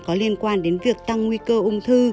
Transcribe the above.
có liên quan đến việc tăng nguy cơ ung thư